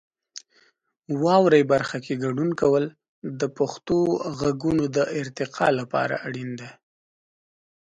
واورئ برخه کې ګډون کول د پښتو غږونو د ارتقا لپاره اړین دی.